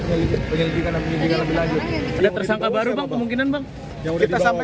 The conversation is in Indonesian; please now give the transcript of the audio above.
berarti tersangka tadi dihadirkan dalam prarekonstruksi bang